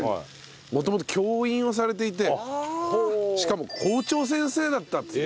元々教員をされていてしかも校長先生だったっていう。